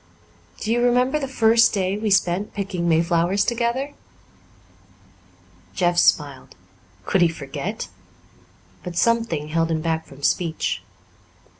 Do you remember the first day we spent picking mayflowers together?" Jeff smiled. Could he forget? But something held him back from speech.